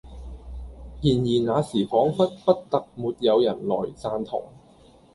然而那時仿佛不特沒有人來贊同，